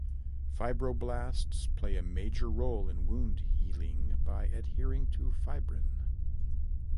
Fibroblasts play a major role in wound healing by adhering to fibrin.